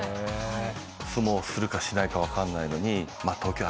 相撲をするかしないかわかんないのに。